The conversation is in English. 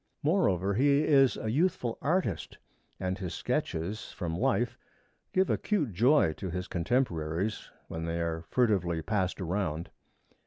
Moreover, he is a youthful artist and his sketches from life give acute joy to his contemporaries when they are furtively passed around.